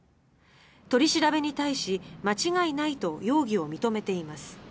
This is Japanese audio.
取り調べに対し、間違いないと容疑を認めています。